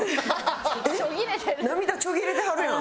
涙ちょぎれてはるやん。